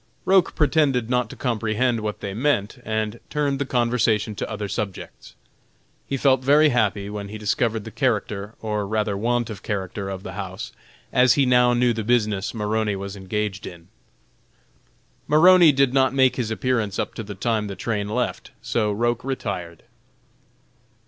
Roch pretended not to comprehend what they meant, and turned the conversation to other subjects. He felt very happy when he discovered the character or rather want of character of the house, as he now knew the business Maroney was engaged in. Maroney did not make his appearance up to the time the train left, so Roch retired.